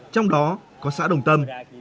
trong đó có xã đồng tâm